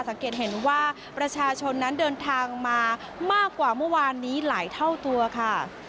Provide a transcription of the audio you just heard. สังเกตเห็นว่าประชาชนนั้นเดินทางมามากกว่าเมื่อวานนี้หลายเท่าตัวค่ะ